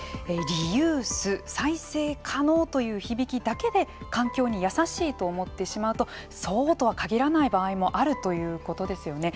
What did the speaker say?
リユース再生可能という響きだけで環境にやさしいと思ってしまうとそうとは限らない場合もあるということですよね。